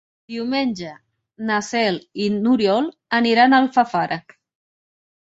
Diumenge na Cel i n'Oriol aniran a Alfafara.